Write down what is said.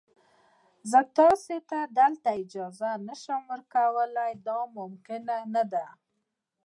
زه تاسي ته دلته اجازه نه شم درکولای، دا ممکنه نه ده.